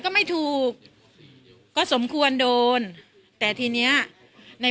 กินโทษส่องแล้วอย่างนี้ก็ได้